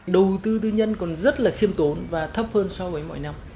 đầu tư tư nhân còn rất là khiêm tốn và thấp hơn so với mọi năm